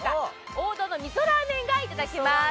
王道の味噌ラーメンがいただけます。